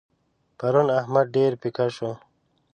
پرون احمد ډېر پيکه شو.